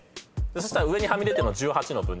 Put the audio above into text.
そしたら上にはみ出てるの１８の分。